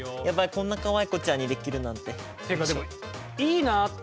こんなかわい子ちゃんにできるなんて。